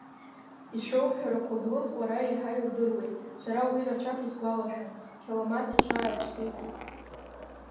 Ишроуҳәара қәаблыхә, уара иаҳа иудыруеит, сара уи рацәак исгәалашәом, қьаламаҭ иҽаацәхьеикит.